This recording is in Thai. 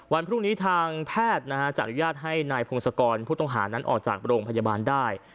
วันพรุ่งนี้ทางแพทย์จะอนุญาตให้นายพงศกรผู้ต้องหานั้นออกจากโรงพยาบาลได้